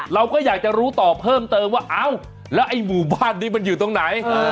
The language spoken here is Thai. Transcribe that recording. เราก็อยากจะรู้ตอบมาเพิ่มเติมว่าไอ้หมู่บ้านนี้มันอยู่ที่ไหน